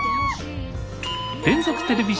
連続テレビ小説